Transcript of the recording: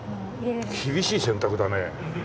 厳しい選択だね。